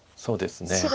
そうですね。